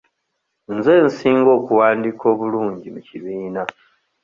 Nze nsinga okuwandiika obulungi mu kibiina.